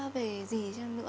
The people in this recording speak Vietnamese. về gì nữa